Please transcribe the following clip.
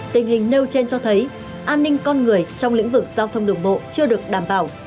tình hình nêu trên cho thấy an ninh con người trong lĩnh vực giao thông đường bộ chưa được đảm bảo